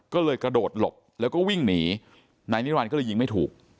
ก็เลยกระโดดหลบแล้วก็วิ่งหนีนายนิรันดิก็เลยยิงไม่ถูก